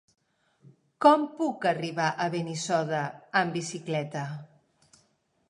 Com puc arribar a Benissoda amb bicicleta?